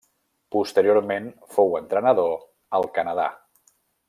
Posteriorment fou entrenador al Canadà.